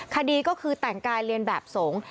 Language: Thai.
คดีก็คือแต่งกายเรียนแบบสงฆ์